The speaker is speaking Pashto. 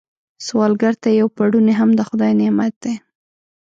سوالګر ته یو پړونی هم د خدای نعمت دی